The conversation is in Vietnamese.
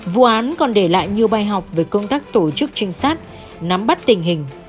vụ án còn để lại nhiều bài học về công tác tổ chức trinh sát nắm bắt tình hình